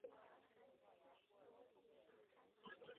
韦志成。